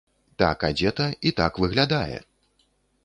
Так адзета і так выглядае!